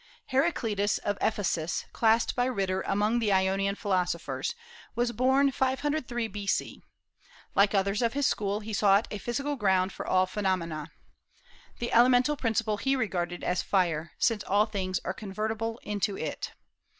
Heraclitus of Ephesus, classed by Ritter among the Ionian philosophers, was born 503 B.C. Like others of his school, he sought a physical ground for all phenomena. The elemental principle he regarded as fire, since all things are convertible into it.